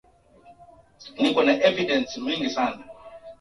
kwa namna ya kipekee katika Injili na vitabu vingine vya Agano Jipya